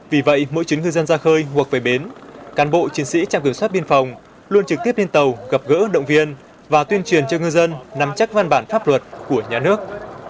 vì vậy mỗi chuyến ngư dân ra khơi hoặc về bến cán bộ chiến sĩ trạm cửa soát biên phòng luôn trực tiếp lên tàu gặp gỡ động viên và tuyên truyền cho ngư dân nắm chắc văn bản pháp luật của nhà nước